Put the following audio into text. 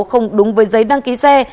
không đúng với giấy đăng ký xe